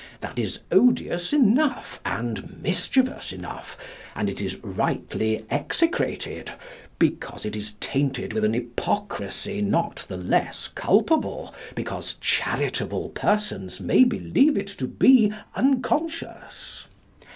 That is odious enough and mischievous enough, and it is rightly execrated, because it is tainted with an hypocrisy not the less culpable because charitable persons may believe it to be unconscious.